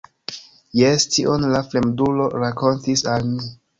Jes, tion la fremdulo rakontis al mi.